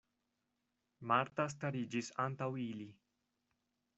Marta stariĝis antaŭ ili.